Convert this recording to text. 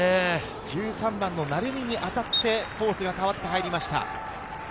１３番の鳴海に当たってコースが変わって入りました。